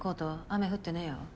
雨降ってねぇよ。